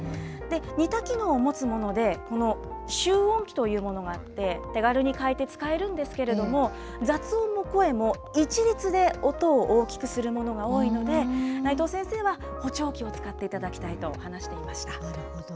似た機能を持つもので、この集音器というものがあって、手軽に買えて使えるんですけれども、雑音も声も一律で音を大きくするものが多いので、内藤先生は補聴器をなるほど。